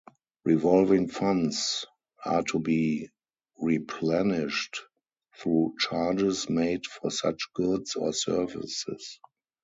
Revolving funds are to be replenished through charges made for such goods or services.